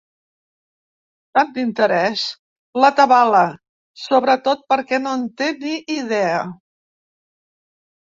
Tant d'interès l'atabala, sobretot perquè no en té ni idea.